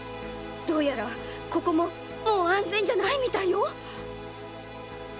どうやらここももうあんぜんじゃないみたいよ。